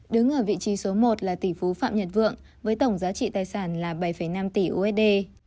đứng ở vị trí số một là tỷ phú phạm nhật vượng với tổng giá trị tài sản là bảy năm tỷ usd